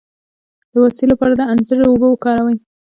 د بواسیر لپاره د انځر اوبه وکاروئ